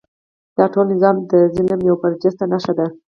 دا د ټول نظام د ظلم یوه برجسته نښه ده.